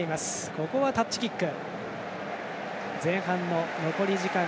ここはタッチキック。